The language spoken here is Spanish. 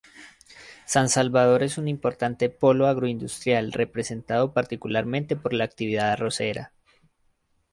San Salvador es un importante polo agro-industrial representado particularmente por la actividad arrocera.